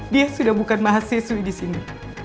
dia sudah bukan mahasiswi disini